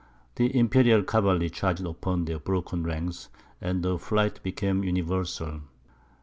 The imperial cavalry charged upon their broken ranks, and the flight became universal.